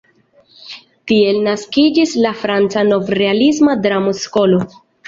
Tiel naskiĝis la franca nov-realisma dramo-skolo.